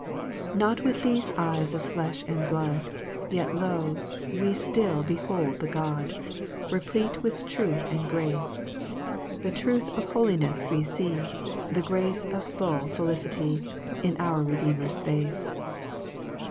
3 Not with thefe eyes of flefli and blood, Yet, lo, we ftill behold the God, Replete with Truth and Grace; The Truth of Holinefs we fee, The Grace of full felicity, In our Redeemer's Face.